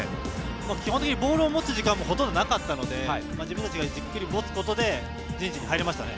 基本的にボールを持つ時間もほとんどなかったので自分たちがじっくり持つことで陣地に入れましたよね。